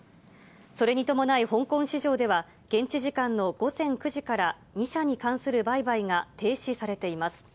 それに伴い、香港市場では、現地時間の午前９時から２社に関する売買が停止されています。